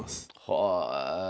へえ！